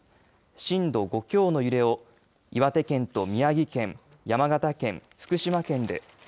震度５強の揺れを岩手県と宮城県山形県、福島県で。